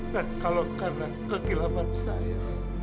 dan kalau karena kekilapan saya